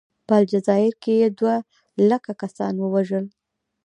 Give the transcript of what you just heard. په الجزایر کې یې دوه لکه کسان ووژل.